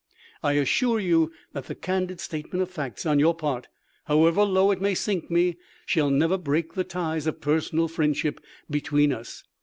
" I assure you that the candid statement of facts on your part, however low it may sink me, shall never break the ties of personal friendship between us.